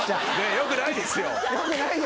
よくないですよ！